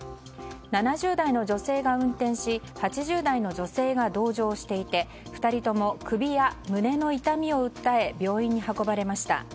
７０代の女性が運転し８０代の女性が同乗していて２人とも首や胸の痛みを訴え病院に運ばれました。